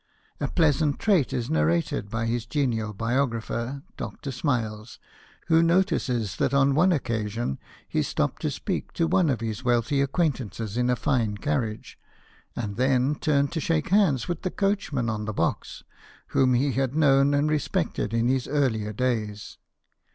A plea sant trait is narrated by his genial biographer, Dr. Smiles, who notices that on one occasion he stopped to speak to one of his wealthy ac quaintances in a fine carriage, and then turned to shake hands with the coachman on the box, whom he had known and respected in his earlier days.